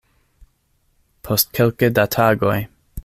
Post kelke da tagoj.